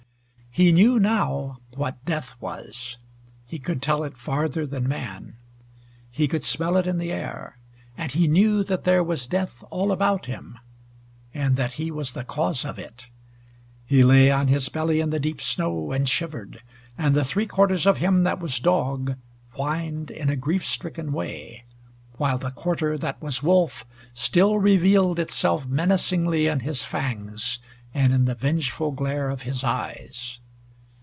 He knew now what death was. He could tell it farther than man. He could smell it in the air. And he knew that there was death all about him, and that he was the cause of it. He lay on his belly in the deep snow and shivered, and the three quarters of him that was dog whined in a grief stricken way, while the quarter that was wolf still revealed itself menacingly in his fangs, and in the vengeful glare of his eyes.